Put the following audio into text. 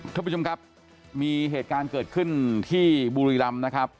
ท่านผู้ชมครับมีเหตุการณ์เกิดขึ้นที่บุรีรำนะครับ